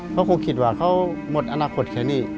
เขาคงคิดว่าเขาหมดอนาคตแค่นี้